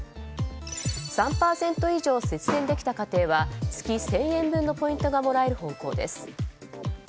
３％以上節電できた家庭は月１０００円分のポイントがもらえる方向です。